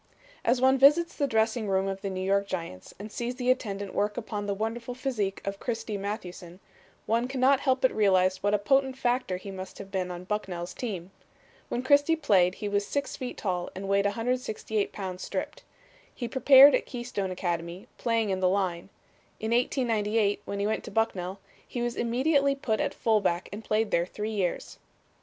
As one visits the dressing room of the New York Giants and sees the attendant work upon the wonderful physique of Christy Mathewson, one cannot help but realize what a potent factor he must have been on Bucknell's team. When Christy played he was 6 feet tall and weighed 168 pounds stripped. He prepared at Keystone Academy, playing in the line. In 1898, when he went to Bucknell, he was immediately put at fullback and played there three years.